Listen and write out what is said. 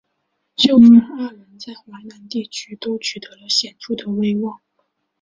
舅甥二人在淮南地区都取得了显着的威望。